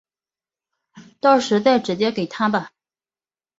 到时再直接给他吧